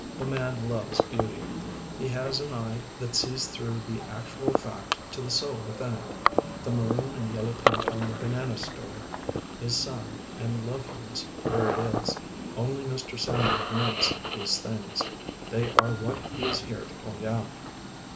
The man loves beauty. He has an eye that sees through the actual fact to the soul within it. The maroon and yellow paint on the banana store is sun and loveliness where it is. Only Mr. Sandburg notes these things, they are what he is here to point out.